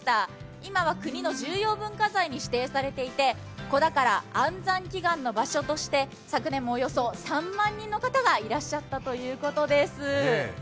今は国の重要文化財に指定されていて、子宝・安産祈願の場所として知られていて昨年もおよそ３万人の方がいらっしゃったということです。